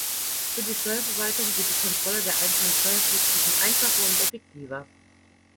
Für die Steuerverwaltung wird die Kontrolle der einzelnen Steuerpflichtigen einfacher und effektiver.